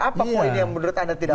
apa kok ini yang menurut anda tidak fair